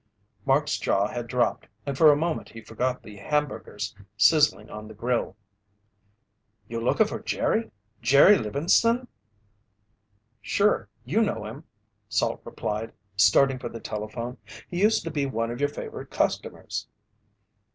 Mark's jaw had dropped and for a moment he forgot the hamburgers sizzling on the grill. "You looka for Jerry? Jerry Livingston?" "Sure, you know him," Salt replied, starting for the telephone. "He used to be one of your favorite customers."